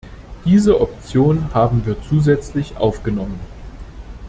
Diese Option haben wir zusätzlich aufgenommen.